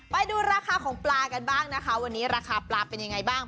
ไปดูราคาของปลากันบ้างนะคะวันนี้ราคาปลาเป็นยังไงบ้าง